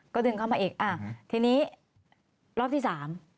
ก็ดึงเข้ามาอีกอ่ะทีนี้รอบที่สาม